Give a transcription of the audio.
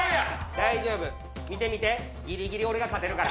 大丈夫、見て、見て、ぎりぎり俺が勝てるから。